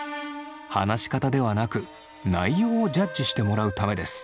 話し方ではなく内容をジャッジしてもらうためです。